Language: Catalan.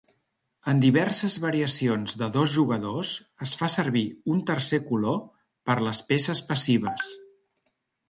En diverses variacions de dos jugadors es fa servir un tercer color per a les peces passives.